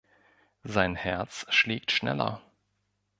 Sein Herz schlägt schneller.